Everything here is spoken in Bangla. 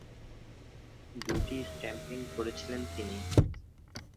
দুইটি স্ট্যাম্পিং করেছিলেন তিনি।